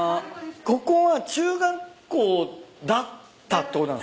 ここは中学校だったってことなんすか？